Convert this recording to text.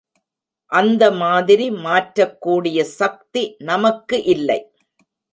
அந்த மாதிரி மாற்றக் கூடிய சக்தி நமக்கு இல்லை.